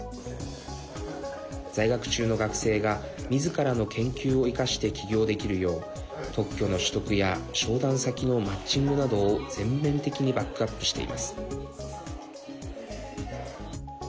在学中の学生がみずからの研究を生かして起業できるよう、特許の取得や商談先のマッチングなどを全面的にバックアップしています。